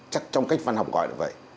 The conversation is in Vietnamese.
chắc trong cách văn học gọi là vậy